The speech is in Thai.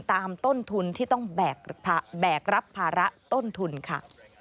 ต้นทุนที่ต้องแบกรับภาระต้นทุนค่ะ